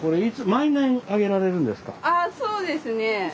あそうですね。